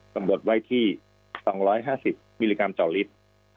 กำหนดไว้ที่๒๕๐มิลลิกรัมต่อลิตร